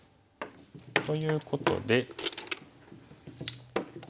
ということで。